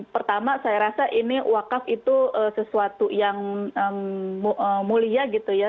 pertama saya rasa ini wakaf itu sesuatu yang mulia gitu ya